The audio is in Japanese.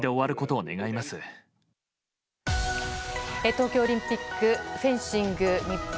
東京オリンピックフェンシング日本